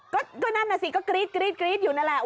ก็นั่นน่ะสิก็กรีดกรีดกรีดอยู่นั่นแหละ